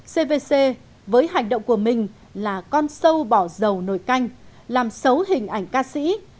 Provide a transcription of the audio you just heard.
cvc với hành động của mình là con sâu bỏ dầu nồi canh làm xấu hình ảnh ca sĩ